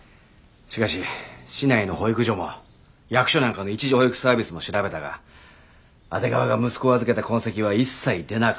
しかし市内の保育所も役所なんかの一時保育サービスも調べたが阿出川が息子を預けた痕跡は一切出なかった。